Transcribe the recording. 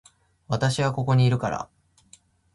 私はここにいるから